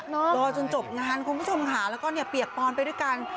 รอจนจบงานคุณผู้ชมค่ะแล้วก็เนี่ยเปียกปอนไปด้วยกัน